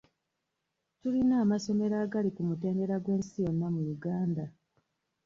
Tulina amasomero agali ku mutendera gw'ensi yonna mu Uganda